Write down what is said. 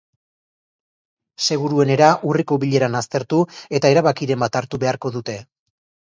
Seguruenera urriko bileran aztertu, eta erabakiren bat hartu beharko dute.